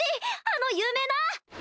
あの有名な！